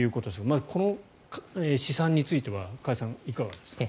まずこの試算については加谷さん、いかがですか？